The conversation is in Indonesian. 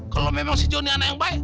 kalau memang si joni anak yang baik